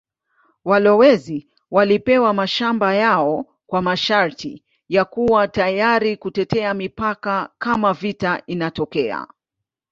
Walowezi walipewa mashamba yao kwa masharti ya kuwa tayari kutetea mipaka kama vita inatokea.